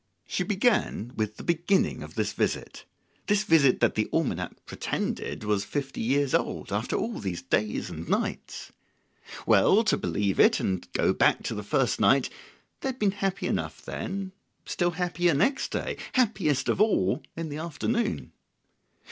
She began with the beginning of this visit this visit that the almanac pretended was but fifty hours old after all these days and nights: Well, to believe it, and go back to the first night: they had been happy enough then, still happier next day, happiest of all in the afternoon.